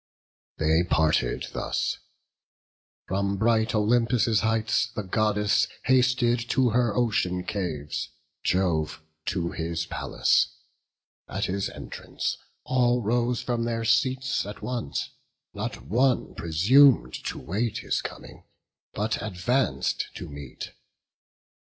They parted thus: from bright Olympus' heights The Goddess hasted to her ocean caves, Jove to his palace; at his entrance all Rose from their seats at once; not one presum'd To wait his coming, but advanc'd to meet.